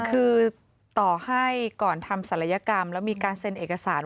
คือต่อให้ก่อนทำศัลยกรรมแล้วมีการเซ็นเอกสาร